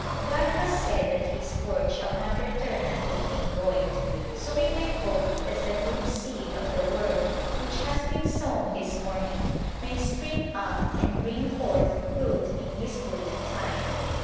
God has said that His Word shall not return unto Him void, so we may hope that the good seed of the Word which has been sown this morning may spring up and bring forth fruit in His good time.